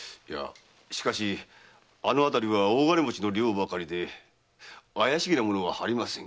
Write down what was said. しかしあの辺りは大金持ちの寮ばかりで怪しげなものはありませんが。